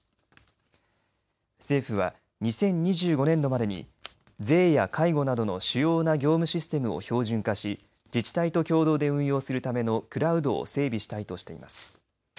政府は２０２５年度までに税や介護などの主要な業務システムを標準化し自治体と共同で運用するためのクラウドを整備したいとしています。